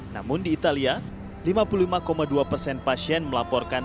namun di italia lima puluh lima dua persen pasien melaporkan